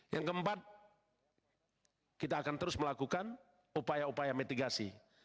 yang keempat kita akan terus melakukan upaya upaya mitigasi